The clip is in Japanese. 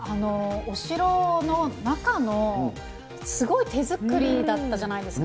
お城の中のすごい手作りだったじゃないですか、